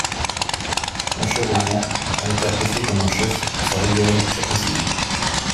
Mascheroni a été apprécié comme un chef pour sa rigueur et sa précision.